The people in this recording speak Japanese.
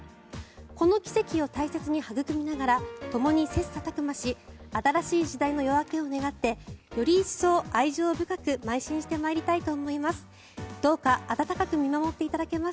この奇跡を大切に育みながらともに切磋琢磨し新しい時代の夜明けを願ってより一層、愛情深くまい進してまいりたいと思います。